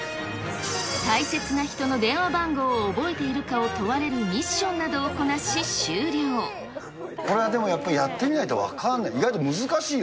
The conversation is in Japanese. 大切な人の電話番号を覚えているかを問われるミッションなどこれはでもやっぱりやってみないと分からない。